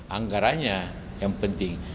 anggarannya yang penting